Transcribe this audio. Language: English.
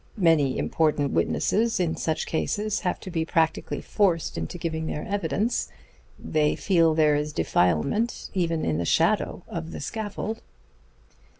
Many important witnesses in such cases have to be practically forced into giving their evidence. They feel there is defilement even in the shadow of the scaffold."